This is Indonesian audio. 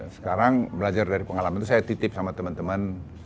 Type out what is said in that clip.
sekarang belajar dari pengalaman itu saya titip sama teman teman